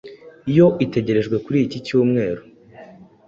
yo itegerejwe kuri iki Cyumweru.